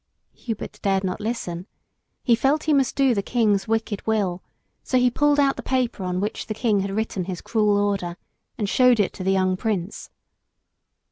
Hubert dared not listen. He felt he must do the King's wicked will, so he pulled out the paper on which the King had written his cruel order, and showed it to the young Prince.